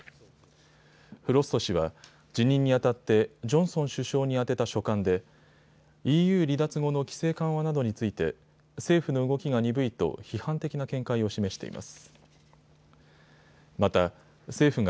フロスト氏は辞任にあたってジョンソン首相に宛てた書簡でＥＵ離脱後の規制緩和などについて政府の動きが鈍いと批判的な見解を示しています。